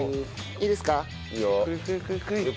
いいですか？